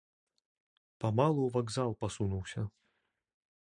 Памалу ў вакзал пасунуўся.